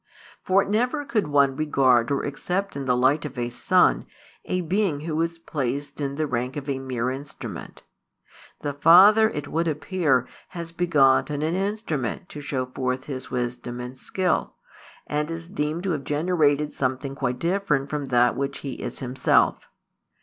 For never could one regard or accept in the light of a Son a being who was placed in the rank of a mere instrument. The Father, it would appear, has begotten an instrument to show forth His wisdom and skill, and is deemed to have generated something quite different from that which He is Himself.